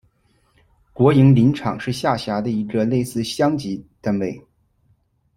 国营林场是下辖的一个类似乡级单位。